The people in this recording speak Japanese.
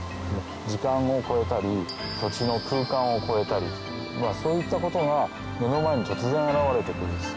時間を超えたり土地の空間を超えたりそういったことが目の前に突然現れて来るんです。